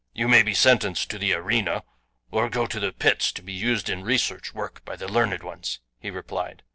"You may be sentenced to the arena, or go to the pits to be used in research work by the learned ones," he replied.